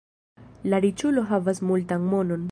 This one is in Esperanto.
La riĉulo havas multan monon.